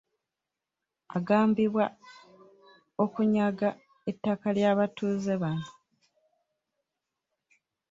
Agambibwa okunyaga ettaka ly’abatuuze bano.